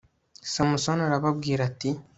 samusoni arababwira ati